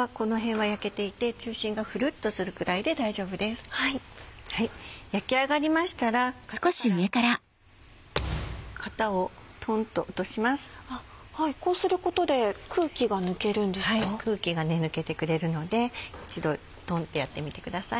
はい空気が抜けてくれるので一度トンってやってみてください。